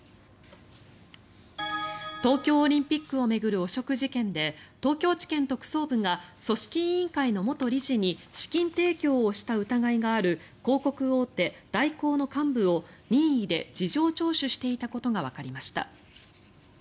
東京オリンピックを巡る汚職事件で東京地検特捜部が組織委員会の元理事に資金提供をした疑いがある広告大手、大広の幹部を任意で事情聴取していたことがわかりました。